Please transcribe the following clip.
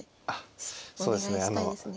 あっそうですね。